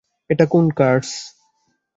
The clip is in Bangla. এটা কোন কার্স?